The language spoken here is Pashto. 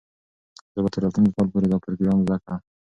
زه به تر راتلونکي کال پورې دا پروګرام زده کړم.